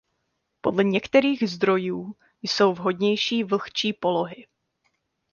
Podle některých zdrojů jsou vhodnější vlhčí polohy.